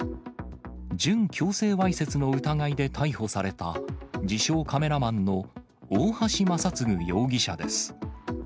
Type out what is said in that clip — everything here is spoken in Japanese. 準強制わいせつの疑いで逮捕された、自称カメラマンの大橋正嗣容疑者です。